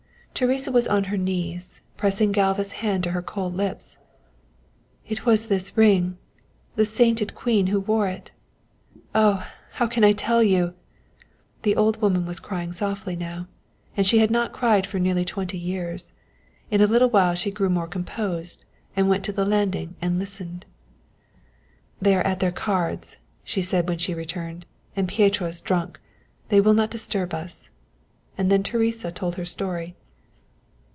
Teresa was on her knees, pressing Galva's hand to her cold lips. "It was this ring the sainted Queen who wore it. Oh, how can I tell you " The old woman was crying softly now, and she had not cried for nearly twenty years. In a little while she grew more composed and went to the landing and listened. "They are at their cards," she said, when she returned, "and Pieto is drunk; they will not disturb us," and then Teresa told her story.